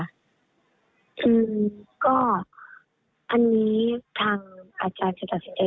คือก็อันนี้ทางอาจารย์จะตัดสินใจ